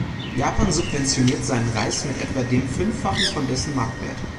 Japan subventioniert seinen Reis mit etwa dem Fünffachen von dessen Marktwert.